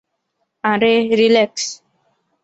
আরে, রিল্যাক্স!